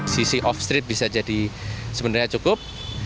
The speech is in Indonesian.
sisi off street bisa jadi sebenarnya cukup